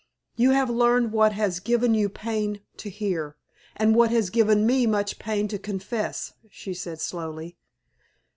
"You have learned what has given you pain to hear, and what has given me much pain to confess," she said, slowly.